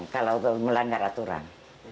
kalau melanggar aturan